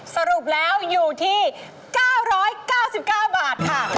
สรุปแล้วอยู่ที่๙๙๙บาทค่ะ